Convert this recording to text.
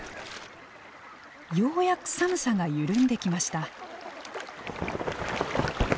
ようやく寒さが緩んできました。